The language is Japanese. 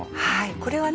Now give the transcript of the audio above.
これはね